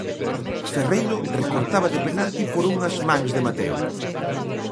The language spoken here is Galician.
Ferreiro recortaba de penalti por unhas mans de Mateo.